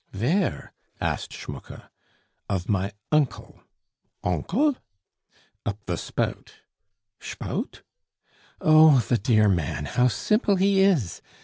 "Vere?" asked Schmucke. "Of my uncle." "Onkel?" "Up the spout." "Shpout?" "Oh! the dear man! how simple he is?